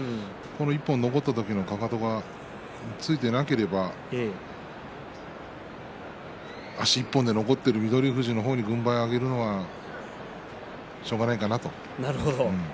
残った時のかかとがついていなければ足一本で残している翠富士の方に軍配を上げるのはしょうがないかなと思います。